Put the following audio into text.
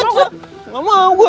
nggak mau gue